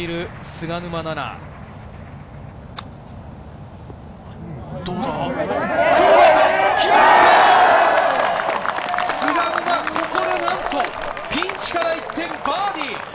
菅沼、ここでなんとピンチから一転、バーディー！